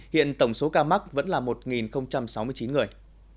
hiện tổng số ca mắc vẫn là một sáu mươi chín người